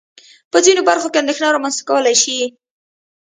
په ځينو برخو کې اندېښنه رامنځته کولای شي.